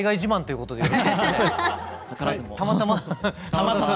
たまたま？